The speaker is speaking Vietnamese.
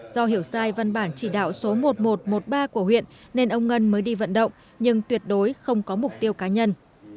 do hiểu sai văn bản chỉ đạo số một nghìn một trăm một mươi ba của huyện nên ông ngân mới đi vận động nhưng tuyệt đối không có mục tiêu cá nhân